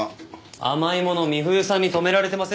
甘いもの美冬さんに止められてませんでした？